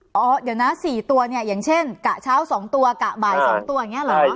อ๋อเดี๋ยวนะ๔ตัวเนี่ยอย่างเช่นกะเช้า๒ตัวกะบ่าย๒ตัวอย่างนี้เหรอ